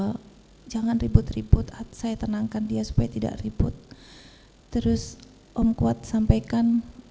hai jangan ribut ribut at saya tenangkan dia supaya tidak ribut terus om kuat sampaikan